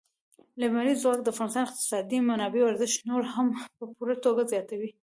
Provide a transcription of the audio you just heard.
لمریز ځواک د افغانستان د اقتصادي منابعم ارزښت نور هم په پوره توګه زیاتوي.